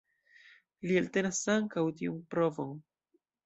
Li eltenas ankaŭ tiun provon.